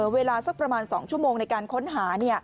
เวลาสักประมาณ๒ชั่วโมงในการค้นหา